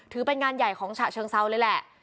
เป็นงานใหญ่ของฉะเชิงเซาเลยแหละ